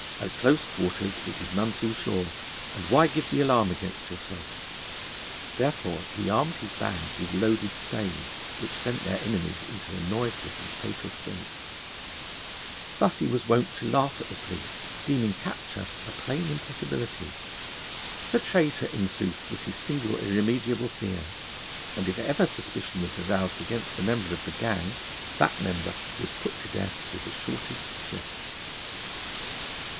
At close quarters it is none too sure; and why give the alarm against yourself?' Therefore he armed his band with loaded staves, which sent their enemies into a noiseless and fatal sleep. Thus was he wont to laugh at the police, deeming capture a plain impossibility. The traitor, in sooth, was his single, irremediable fear, and if ever suspicion was aroused against a member of the gang, that member was put to death with the shortest shrift.